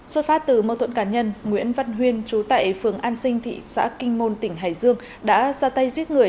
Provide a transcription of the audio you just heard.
xuất phát từ mâu thuẫn cá nhân nguyễn văn huyên trú tại phường an sinh thị xã kinh môn tỉnh hải dương đã ra tay giết người